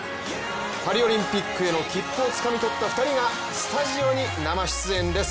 パリオリンピックへの切符をつかみ取った２人がスタジオに生出演です。